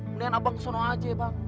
mendingan abang kesana aja bang